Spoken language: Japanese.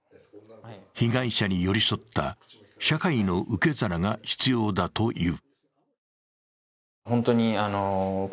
被害者に寄り添った、社会の受け皿が必要だという。